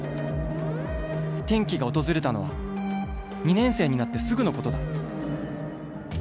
転機が訪れたのは２年生になってすぐのことだ」。